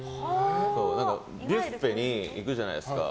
ビュッフェに行くじゃないですか。